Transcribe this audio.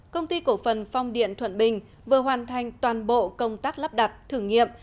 công ty cổ phần phong điện thuận bình vừa hoàn thành toàn bộ công tác lắp đặt thử nghiệm